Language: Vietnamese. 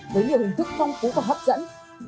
với nhiều hình thức phong phú và hấp dẫn